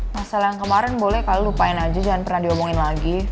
masalah yang kemarin boleh kalian lupain aja jangan pernah diomongin lagi